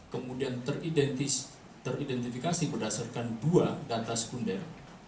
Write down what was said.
kemudian teridentifikasi berdasarkan dua data sekunder